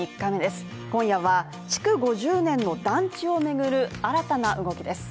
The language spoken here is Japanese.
今夜は築５０年の団地をめぐる新たな動きです。